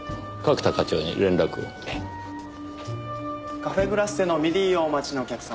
カフェ・グラッセのミディをお待ちのお客様。